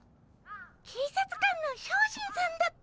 警察官の小心さんだっ。